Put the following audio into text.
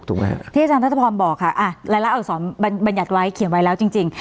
ที่อาจารย์ทัศพรบอกค่ะรายละอักษรบัญญัติไว้เขียนไว้แล้วจริง